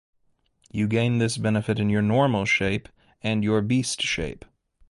You gain this benefit in your normal shape and your beast shape.